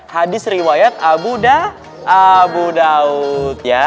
hadis riwayat abu daud